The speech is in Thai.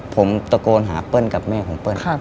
ผมตะโกนหาเปิ้ลกับแม่ของเปิ้ล